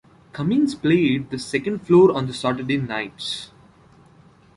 Kamins played the second floor on Saturday nights.